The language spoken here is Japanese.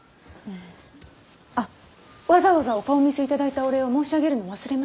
あわざわざお顔見せ頂いたお礼を申し上げるのを忘れました。